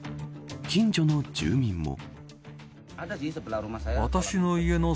近所の住民も。